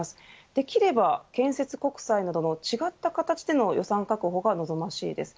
できれば建設国債などの違った形での予算確保が望ましいです。